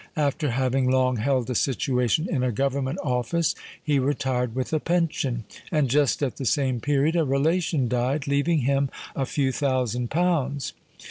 After having long held a situation in a Government office, he retired with a pension; and just at the same period a relation died, leaving him a few thousand pounds.